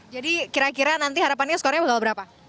jadi kira kira nanti harapannya skornya bakal berapa